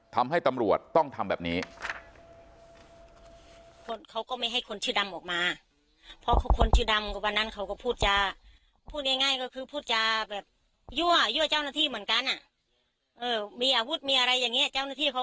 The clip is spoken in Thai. ทำให้ตำรวจต้องทำแบบนี้